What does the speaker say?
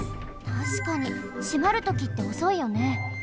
たしかに閉まるときっておそいよね。